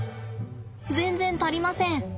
全然足りません。